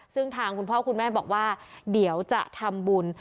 ซึ่งทางคุณพ่อคุณแม่บอกว่าเดี๋ยวจะทำบุญ